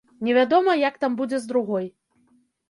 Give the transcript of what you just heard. Невядома, як там будзе з другой.